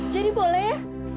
jadi boleh ya